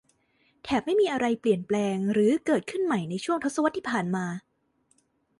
แถบไม่มีอะไรเปลี่ยนแปลงหรือเกิดขึ้นใหม่ในช่วงทศวรรษที่ผ่านมา